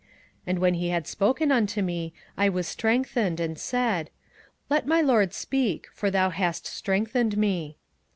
And when he had spoken unto me, I was strengthened, and said, Let my lord speak; for thou hast strengthened me.